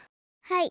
はい。